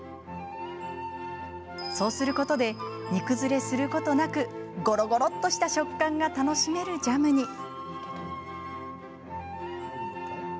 そうすることで煮崩れすることなくゴロゴロッとした食感が楽しめるジャムに。